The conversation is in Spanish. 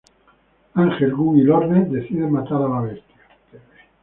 Ángel, Gunn y Lorne deciden matar a la bestia.